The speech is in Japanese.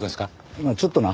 まあちょっとな。